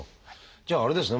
じゃああれですね